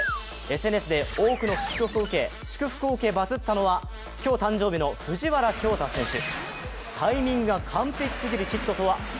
ＳＮＳで多くの祝福を受けバズったのは今日誕生日の藤原恭大選手。